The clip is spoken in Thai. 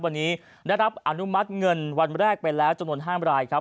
วันนี้ได้รับอนุมัติเงินวันแรกไปแล้วจำนวน๕รายครับ